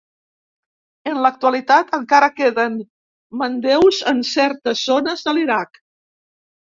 En l'actualitat, encara queden mandeus en certes zones de l'Iraq.